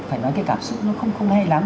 phải nói cái cảm xúc nó không hay lắm